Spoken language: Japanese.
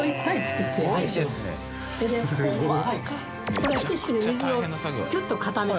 これはティッシュで水をキュッと固めたものです。